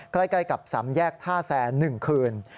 ใกล้กับ๓แยกท่าแซน๑คืน